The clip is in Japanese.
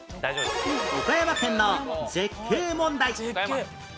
岡山県の絶景問題